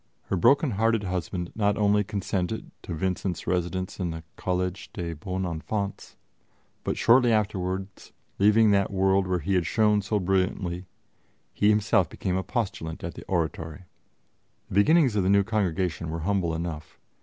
Her broken hearted husband not only consented to Vincent's residence in the Collège des Bons Enfants, but shortly afterwards, leaving that world where he had shone so brilliantly, he himself became a postulant at the Oratory. The beginnings of the new Congregation were humble enough.